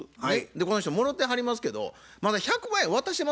この人もろてはりますけどまだ１００万円渡してませんね。